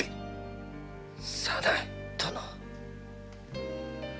早苗殿。